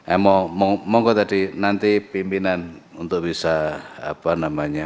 eh mau mau kok tadi nanti pimpinan untuk bisa apa namanya